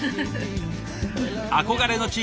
憧れの地